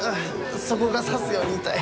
そこが刺すように痛い。